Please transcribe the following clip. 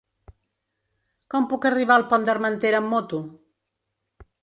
Com puc arribar al Pont d'Armentera amb moto?